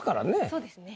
そうですね。